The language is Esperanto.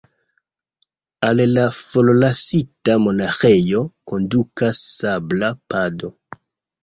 Al la forlasita monaĥejo kondukas sabla pado.